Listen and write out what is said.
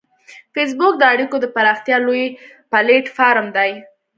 فېسبوک د اړیکو د پراختیا لوی پلیټ فارم دی